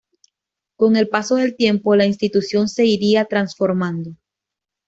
Con el paso del tiempo la institución se iría transformando.